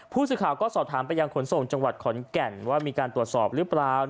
ผู้สื่อข่าวก็สอบถามไปยังขนส่งจังหวัดขอนแก่นว่ามีการตรวจสอบหรือเปล่า